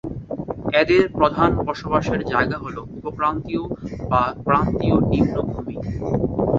এদের প্রধান বসবাসের জায়গা হল উপক্রান্তীয় বা ক্রান্তীয় নিম্নভূমি।